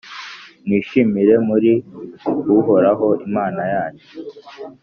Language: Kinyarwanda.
mwishimire muri Uhoraho, Imana yanyu,